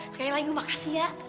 sekali lagi makasih ya